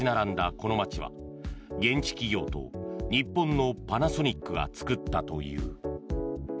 この街は現地企業と日本のパナソニックが作ったという。